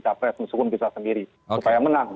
capres meskipun bisa sendiri supaya menang